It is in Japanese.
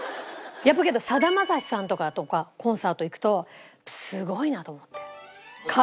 さだまさしさんとかコンサート行くとすごいなと思って。